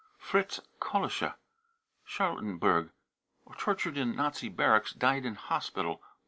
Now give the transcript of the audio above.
fritz kollosche, Charlottenburg, tortured in Nazi barracks, died in hospital.